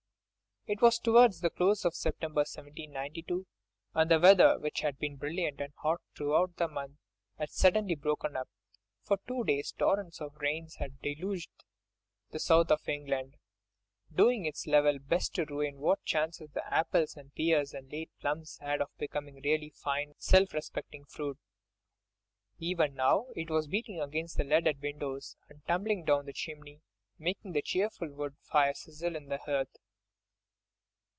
It was towards the close of September, 1792, and the weather which had been brilliant and hot throughout the month had suddenly broken up; for two days torrents of rain had deluged the south of England, doing its level best to ruin what chances the apples and pears and late plums had of becoming really fine, self respecting fruit. Even now it was beating against the leaded windows, and tumbling down the chimney, making the cheerful wood fire sizzle in the hearth.